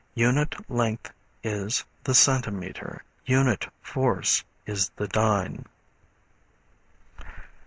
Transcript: Unit length is the centimeter; unit force is the dyne.